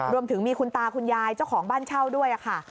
รวมถึงมีคุณตาคุณยายเจ้าของบ้านเช่าด้วยค่ะ